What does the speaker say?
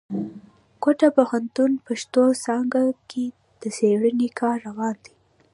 کوټه پوهنتون پښتو څانګه کښي د څېړني کار روان دی.